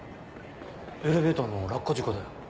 エレベーターの落下事故だよ。